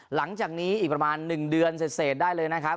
หลังจากนี้อีกประมาณ๑เดือนเสร็จได้เลยนะครับ